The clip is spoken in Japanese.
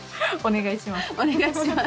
お願いします。